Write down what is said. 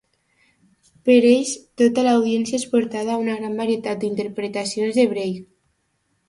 Per ells tota l'audiència és portada a una gran varietat d'interpretacions de break.